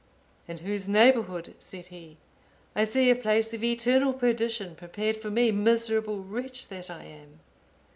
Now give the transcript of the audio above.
"In whose neighbourhood," said he, "I see a place of eternal perdition prepared for me, miserable wretch that I am."